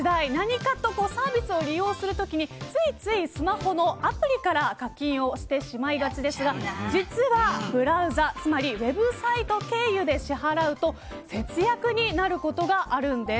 何かとサービスを利用するときついついスマホのアプリから課金をしてしまいがちですが実はブラウザウェブサイト経由で支払うと節約になることがあるんです。